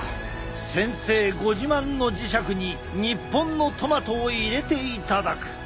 先生ご自慢の磁石に日本のトマトを入れていただく。